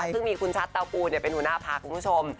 ซึ่งมีคุณชัดเตาปูเป็นหุน่าพรรคคุณผู้ชม